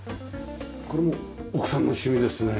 これも奥さんの趣味ですね。